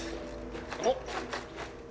おっ。